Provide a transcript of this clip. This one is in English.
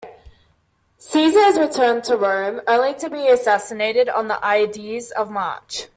Caesar is returned to Rome, only to be assassinated on the Ides of March.